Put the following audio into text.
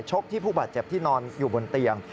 กที่ผู้บาดเจ็บที่นอนอยู่บนเตียง